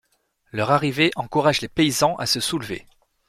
Leur arrivée encourage les paysans à se soulever.